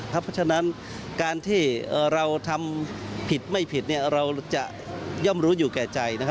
เพราะฉะนั้นการที่เราทำผิดไม่ผิดเราจะย่อมรู้อยู่แก่ใจ